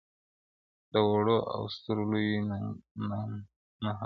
له وړو او سترو لویو نهنګانو -